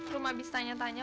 rum abis tanya tanya